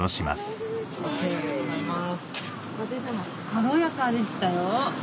軽やかでしたよ。